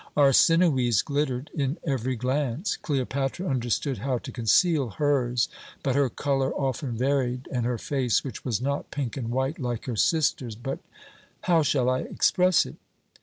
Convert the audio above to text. Arsinoë's glittered in every glance; Cleopatra understood how to conceal hers, but her colour often varied, and her face, which was not pink and white like her sister's, but how shall I express it?